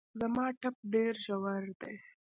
زما ټپ ډېر ژور دی